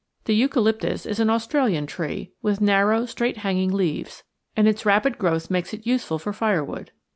The eucalyptus is an Australian tree, with narrow straight hanging leaves, and its rapid growth makes it useful for firewood.